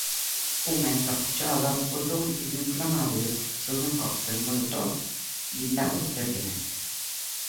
Unha encapuchada botou líquido inflamable sobre un cóctel molotov guindado previamente.